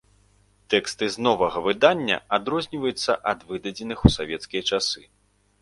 Тэксты з новага выдання адрозніваюцца ад выдадзеных у савецкія часы.